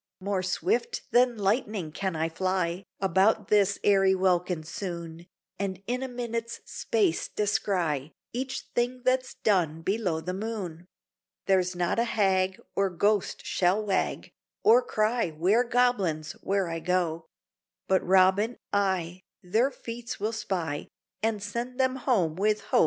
More swift than lightning can I fly About this airy welkin soon, And in a minute's space descry Each thing that's done below the moon. There's not a hag Or ghost shall wag, Or cry, ware Goblins! where I go; But Robin, I, their feats will spy, And send them home with ho! ho!